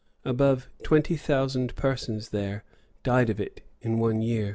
Above twenty thousand persons there died of it in one year.